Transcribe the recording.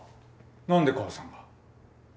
何で母さんが？